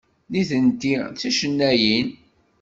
Nitenti d ticennayin?